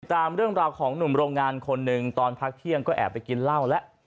ตามเรื่องราวของหนุ่มโรงงานคนหนึ่งตอนพักเที่ยงก็แอบไปกินเหล้าแล้ว